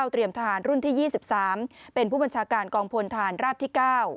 เตรียมทหารรุ่นที่๒๓เป็นผู้บัญชาการกองพลฐานราบที่๙